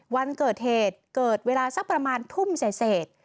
วันเกิดเหตุเกิดเวลาสักประมาณทุ่มเศษ